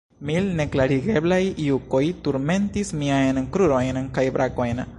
Mil neklarigeblaj jukoj turmentis miajn krurojn kaj brakojn.